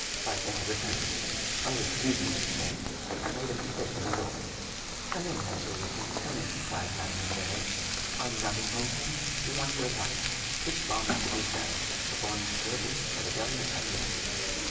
But they had returned. "Oh! excuse me," he said, "I made a mistake in the door." "Come in, Monsieur Lupin, come in," cried Madame Imbert, "are you not at home here? We want your advice. What bonds should we sell? The foreign securities or the government annuities?"